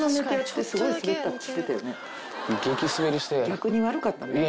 逆に悪かったね。